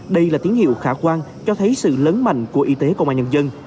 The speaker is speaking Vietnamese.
đây là tín hiệu khả quan cho thấy sự lớn mạnh của y tế công an nhân dân